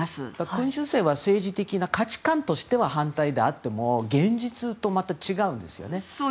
君主制は政治的な価値観としては反対であっても現実とはまた違うんですよね。